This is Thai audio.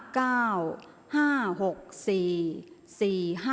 ออกรางวัลที่๖